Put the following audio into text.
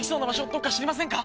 どこか知りませんか？